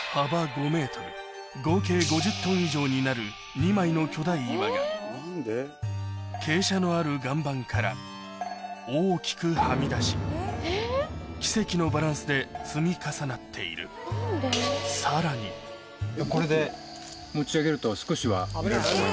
合計５０トン以上になる２枚の巨大岩が傾斜のある岩盤から大きくはみ出し奇跡のバランスで積み重なっているこれで。